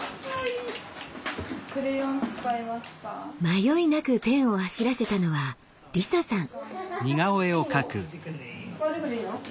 迷いなくペンを走らせたのはりささん。